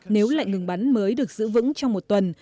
nếu lệnh ngừng bắn mới được giữ vững trong một tuần